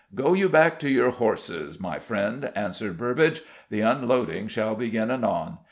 "Go you back to your horses, my friend," answered Burbage. "The unloading shall begin anon.